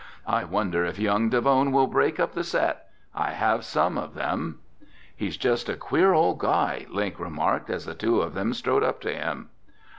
I wonder if young Davone will break up the set? I have some of them." "He's just a queer old guy," Link remarked as the two of them strode up to him.